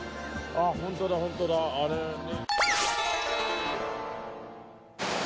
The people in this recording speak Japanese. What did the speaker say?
あホントだホントだあれね。